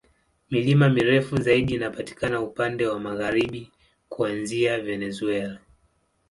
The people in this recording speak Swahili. Milima mirefu zaidi inapatikana upande wa magharibi, kuanzia Venezuela.